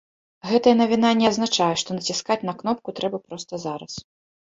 Гэтая навіна не азначае, што націскаць на кнопку трэба проста зараз.